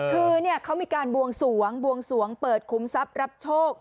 คือเขามีการบวงสวงบวงสวงเปิดคุ้มทรัพย์รับโชค